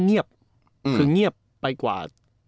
เงียบคือเงียบไปกว่า